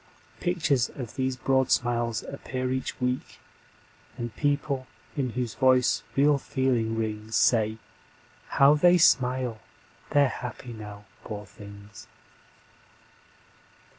Pictures of these broad smiles appear each week, And people in whose voice real feeling rings Say: How they smile! They're happy now, poor things.